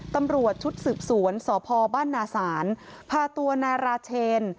ตำรวจชุดสืบสวนสพบ้านนาศาลพาตัวนายราเชน